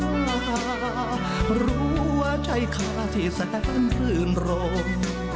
ใจจำเป็นดอกข้ามสัญญารู้ว่าใจข้าที่แสนพื้นร่ม